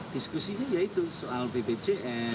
diskusinya yaitu soal bpjs